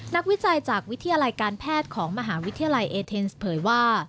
วิจัยจากวิทยาลัยการแพทย์ของมหาวิทยาลัยเอเทนส์เผยว่า